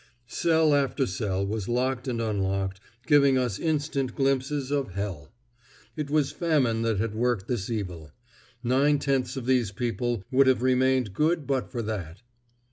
Cell after cell was locked and unlocked, giving us instant glimpses of hell. It was famine that had worked this evil; nine tenths of these people would have remained good but for that.